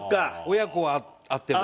親子はあっても。